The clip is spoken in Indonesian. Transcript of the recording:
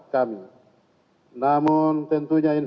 kami tidak keberanian